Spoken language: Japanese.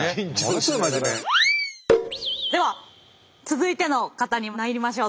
では続いての方に参りましょう。